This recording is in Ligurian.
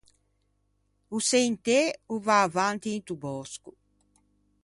O sentê o va avanti into bòsco.